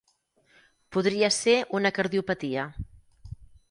Podria ser una cardiopatia.